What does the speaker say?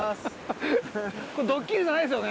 ドッキリじゃないですよね？